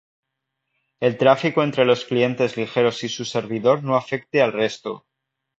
el tráfico entre los clientes ligeros y su servidor no afecte al resto